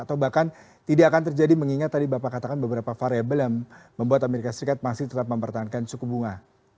atau bahkan tidak akan terjadi mengingat tadi bapak katakan beberapa variable yang membuat amerika serikat masih tetap mempertahankan suku bunga